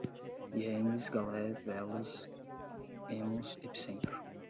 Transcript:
birremes, galé, velas, remos, epicentro